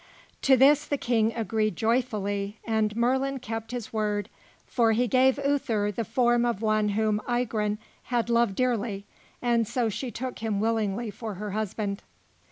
To this the King agreed joyfully, and Merlin kept his word: for he gave Uther the form of one whom Igraine had loved dearly, and so she took him willingly for her husband.